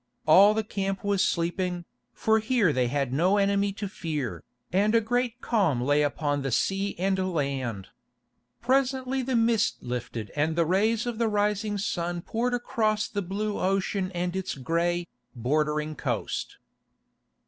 All the camp was sleeping, for here they had no enemy to fear, and a great calm lay upon the sea and land. Presently the mist lifted and the rays of the rising sun poured across the blue ocean and its gray, bordering coast.